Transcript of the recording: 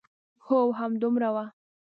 هو، همدومره و.